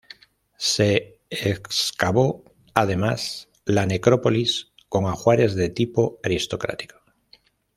Se excavó además, la necrópolis con ajuares de tipo aristocrático.